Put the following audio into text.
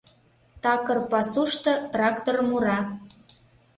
Такыр пасушто трактор мура.